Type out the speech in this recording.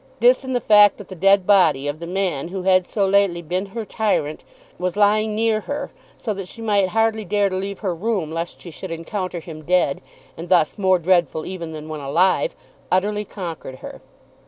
This and the fact that the dead body of the man who had so lately been her tyrant was lying near her, so that she might hardly dare to leave her room lest she should encounter him dead, and thus more dreadful even than when alive, utterly conquered her.